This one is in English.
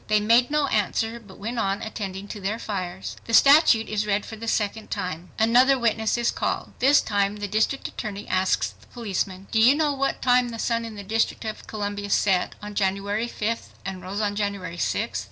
They made no answer but went on attending to their fires." The statute is read for the second time. Another witness is called. This time the district attorney asks the policeman,—"Do you know what time the sun in the District of Columbia set on January 5th and rose on January 6th?"